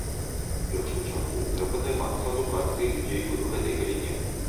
У першую чаргу, трэба займацца адукацыяй людзей у гэтай галіне.